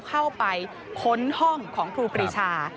เข้าไปค้นห้องของครูปรีชา